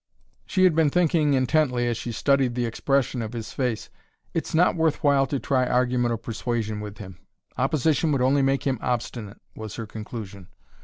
She had been thinking intently as she studied the expression of his face. "It's not worth while to try argument or persuasion with him; opposition would only make him obstinate," was her conclusion.